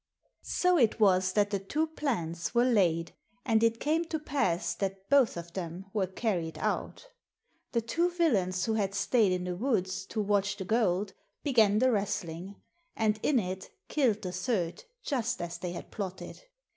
'* So it was that the two plans were laid, and it came to pass that both of them were carried out. The two villains who had stayed in the woods to watch the gold began the wrestling, and in it killed the third just as they had plotted.